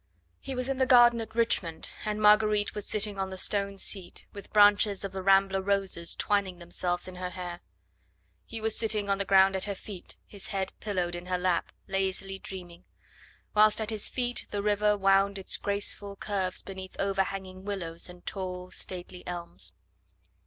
He was in the garden at Richmond, and Marguerite was sitting on the stone seat, with branches of the rambler roses twining themselves in her hair. He was sitting on the ground at her feet, his head pillowed in her lap, lazily dreaming whilst at his feet the river wound its graceful curves beneath overhanging willows and tall stately elms.